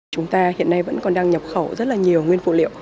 chúng ta hiện nay vẫn còn đang nhập khẩu rất là nhiều nguyên phụ liệu